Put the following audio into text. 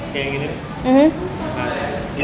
kayak yang ini